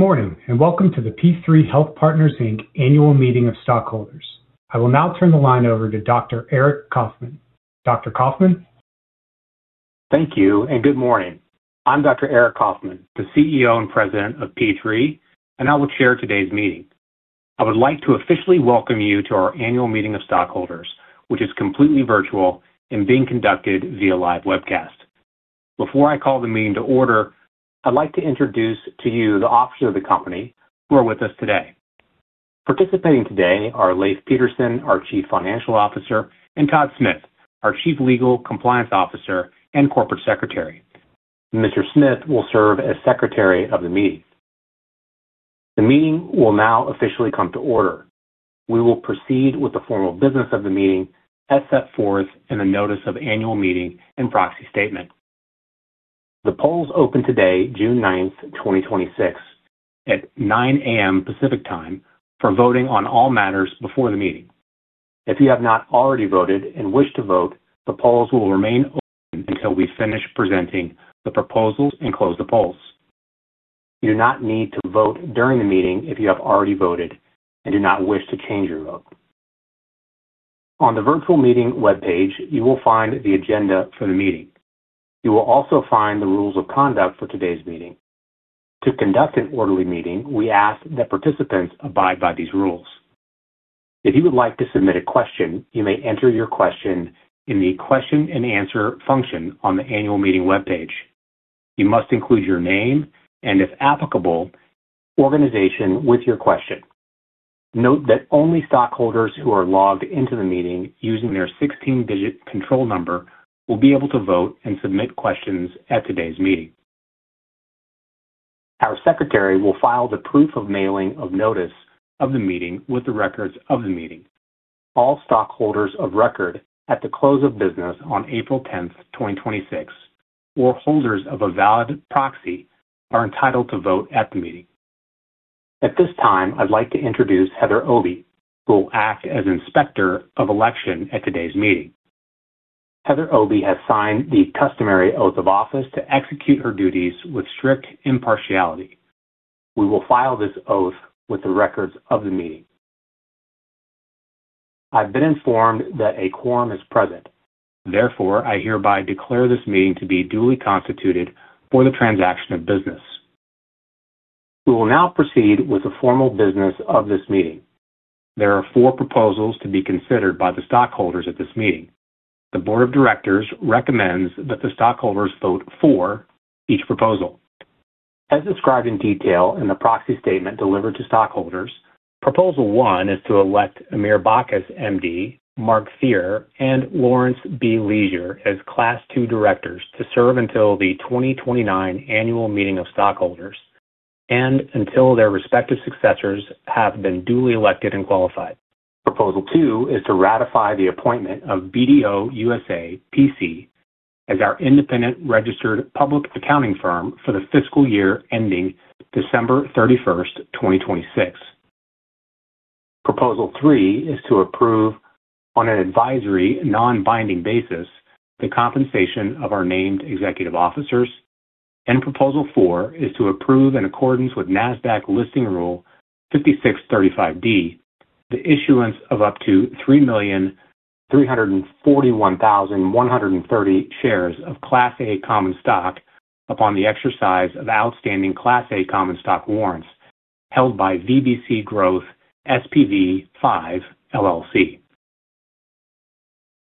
Good morning, welcome to the P3 Health Partners Inc. Annual Meeting of Stockholders. I will now turn the line over to Dr. Aric Coffman. Dr. Coffman? Thank you, good morning. I'm Dr. Aric Coffman, the CEO and President of P3, and I will chair today's meeting. I would like to officially welcome you to our annual meeting of stockholders, which is completely virtual and being conducted via live webcast. Before I call the meeting to order, I'd like to introduce to you the officers of the company who are with us today. Participating today are Leif Pedersen, our Chief Financial Officer, and Todd Smith, our Chief Legal Compliance Officer and Corporate Secretary. Mr. Smith will serve as Secretary of the meeting. The meeting will now officially come to order. We will proceed with the formal business of the meeting as set forth in the notice of annual meeting and proxy statement. The polls opened today, June 9th, 2026, at 9:00 A.M. Pacific Time for voting on all matters before the meeting. If you have not already voted and wish to vote, the polls will remain open until we finish presenting the proposals and close the polls. You do not need to vote during the meeting if you have already voted and do not wish to change your vote. On the virtual meeting webpage, you will find the agenda for the meeting. You will also find the rules of conduct for today's meeting. To conduct an orderly meeting, we ask that participants abide by these rules. If you would like to submit a question, you may enter your question in the question and answer function on the annual meeting webpage. You must include your name and, if applicable, organization with your question. Note that only stockholders who are logged into the meeting using their 16-digit control number will be able to vote and submit questions at today's meeting. Our Secretary will file the proof of mailing of notice of the meeting with the records of the meeting. All stockholders of record at the close of business on April 10th, 2026, or holders of a valid proxy, are entitled to vote at the meeting. At this time, I'd like to introduce Heather Obi, who will act as Inspector of Election at today's meeting. Heather Obi has signed the customary oath of office to execute her duties with strict impartiality. We will file this oath with the records of the meeting. I've been informed that a quorum is present. Therefore, I hereby declare this meeting to be duly constituted for the transaction of business. We will now proceed with the formal business of this meeting. There are four proposals to be considered by the stockholders at this meeting. The Board of Directors recommends that the stockholders vote for each proposal. As described in detail in the proxy statement delivered to stockholders, proposal one is to elect Amir Bacchus, MD, Mark Thierer, and Lawrence B. Leisure as Class II directors to serve until the 2029 annual meeting of stockholders and until their respective successors have been duly elected and qualified. Proposal two is to ratify the appointment of BDO USA, P.C. as our independent registered public accounting firm for the fiscal year ending December 31st, 2026. Proposal three is to approve, on an advisory, non-binding basis, the compensation of our named executive officers. Proposal four is to approve in accordance with Nasdaq Listing Rule 5635(d), the issuance of up to 3,341,130 shares of Class A common stock upon the exercise of outstanding Class A common stock warrants held by VBC Growth SPV 5, LLC.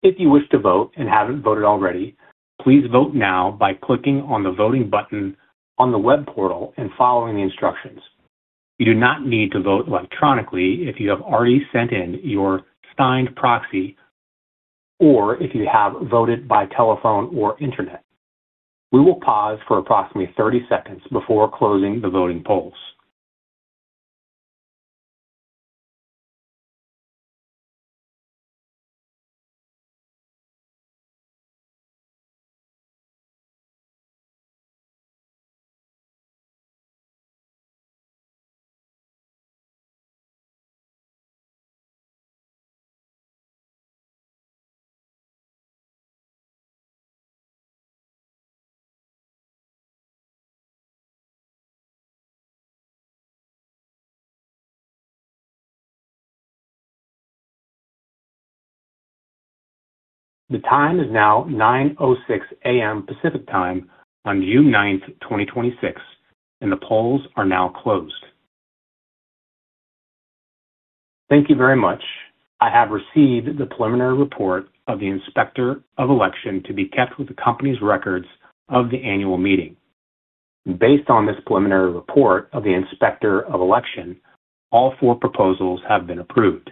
If you wish to vote and haven't voted already, please vote now by clicking on the voting button on the web portal and following the instructions. You do not need to vote electronically if you have already sent in your signed proxy or if you have voted by telephone or internet. We will pause for approximately 30 seconds before closing the voting polls. The time is now 9:06 A.M. Pacific Time on June 9th, 2026, and the polls are now closed. Thank you very much. I have received the preliminary report of the Inspector of Election to be kept with the company's records of the annual meeting. Based on this preliminary report of the Inspector of Election, all four proposals have been approved.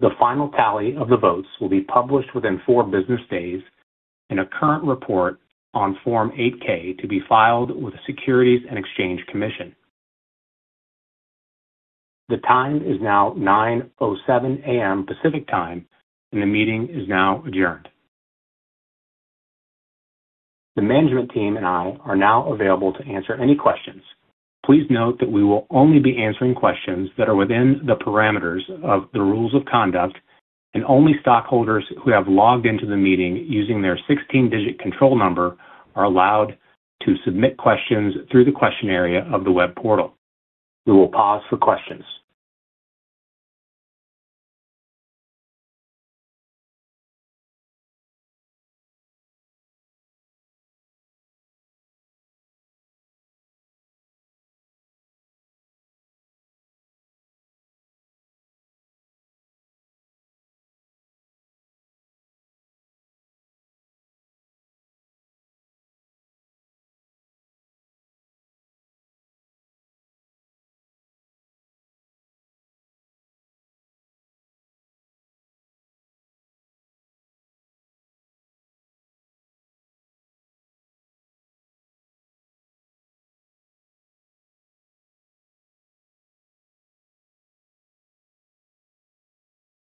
The final tally of the votes will be published within four business days in a current report on Form 8-K to be filed with the Securities and Exchange Commission. The time is now 9:07 A.M. Pacific Time, and the meeting is now adjourned. The management team and I are now available to answer any questions. Please note that we will only be answering questions that are within the parameters of the rules of conduct and only stockholders who have logged into the meeting using their 16-digit control number are allowed to submit questions through the question area of the web portal. We will pause for questions.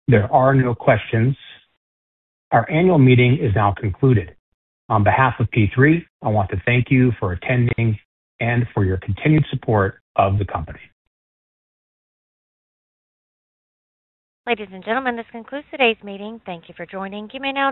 There are no questions. Our annual meeting is now concluded. On behalf of P3, I want to thank you for attending and for your continued support of the company. Ladies and gentlemen, this concludes today's meeting. Thank you for joining. You may now.